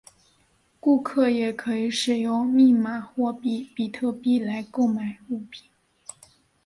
顾客也可以使用密码货币比特币来购买物品。